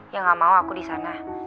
yang nggak mau aku di sana